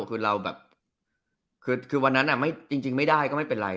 คือเราแบบคือคือวันนั้นอ่ะไม่จริงจริงไม่ได้ก็ไม่เป็นไร